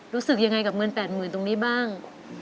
รู้สึกยังไงกับเงิน๘๐๐๐ตรงนี้บ้าง